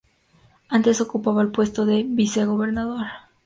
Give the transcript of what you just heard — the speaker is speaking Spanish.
Antes ocupaba el puesto de vicegobernador.